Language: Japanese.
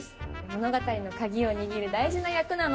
物語の鍵を握る大事な役なの。